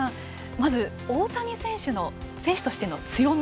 まず大谷選手の選手としての強み